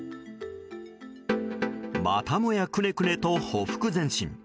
またもやくねくねとほふく前進。